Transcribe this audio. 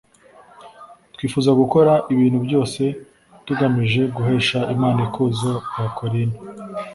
Twifuza gukora ibintu byose tugamije guhesha Imana ikuzo Abakorinto